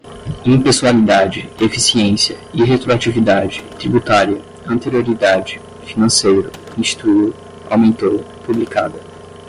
impessoalidade, eficiência, irretroatividade, tributária, anterioridade, financeiro, instituiu, aumentou, publicada